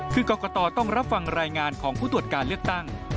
คือกรกตต้องรับฟังรายงานของผู้ตรวจการเลือกตั้ง